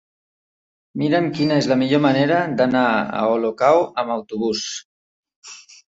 Mira'm quina és la millor manera d'anar a Olocau amb autobús.